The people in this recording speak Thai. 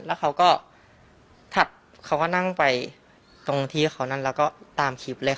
แล้วเขาก็ถัดเขาก็นั่งไปตรงที่เขานั่นแล้วก็ตามคลิปเลยค่ะ